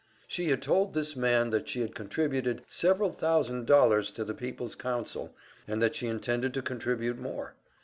She had told this man that she had contributed several thousand dollars to the Peoples' Council, and that she intended to contribute more.